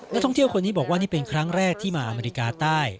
นักท่องเที่ยวคนนี้บอกว่านี่เป็นครั้งแรกที่มาอเมริกาใต้